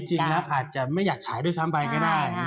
จริงแล้วอาจจะไม่อยากขายด้วยซ้ำไปก็ได้